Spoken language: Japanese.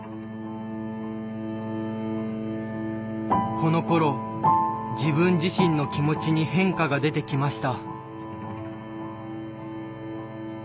このころ自分自身の気持ちに変化が出てきました。